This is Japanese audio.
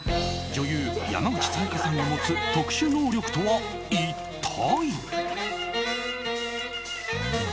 女優・山口紗弥加さんの持つ特殊能力とは一体。